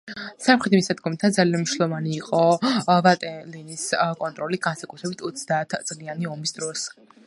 სამხრეთ მისადგომთან, ძალიან მნიშვნელოვანი იყო ვალტელინის კონტროლი, განსაკუთრებით ოცდაათწლიანი ომის დროს.